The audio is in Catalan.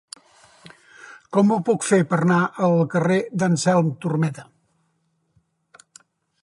Com ho puc fer per anar al carrer d'Anselm Turmeda?